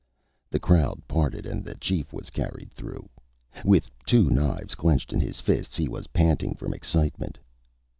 The crowd parted and the chief was carried through. With two knives clenched in his fists, he was panting from excitement.